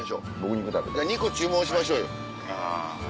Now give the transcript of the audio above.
肉注文しましょうよ。